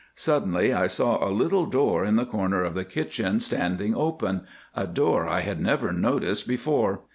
"Suddenly I saw a little door in the corner of the kitchen standing open—a door I had never noticed before.